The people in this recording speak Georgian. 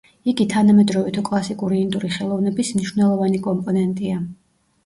იგი თანამედროვე თუ კლასიკური ინდური ხელოვნების მნიშვნელოვანი კომპონენტია.